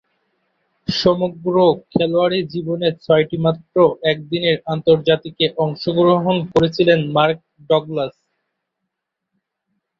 সমগ্র খেলোয়াড়ী জীবনে ছয়টিমাত্র একদিনের আন্তর্জাতিকে অংশগ্রহণ করেছিলেন মার্ক ডগলাস।